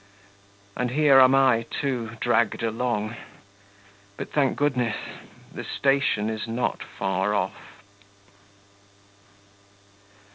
And here am I too dragged along. But, thank goodness, the station is not far off.